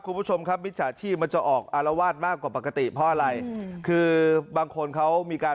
คุณผู้ชมครับมิจฉาชีพมันจะออกอารวาสมากกว่าปกติเพราะอะไรคือบางคนเขามีการ